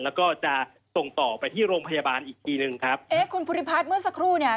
แล้วก็จะส่งต่อไปที่โรงพยาบาลอีกทีหนึ่งครับเอ๊ะคุณภูริพัฒน์เมื่อสักครู่เนี่ย